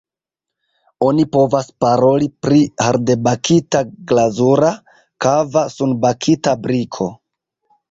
Oni povas paroli pri hardebakita, glazura, kava, sunbakita briko.